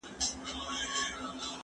که وخت وي، انځورونه رسم کوم.